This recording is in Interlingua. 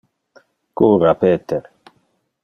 Cura Peter.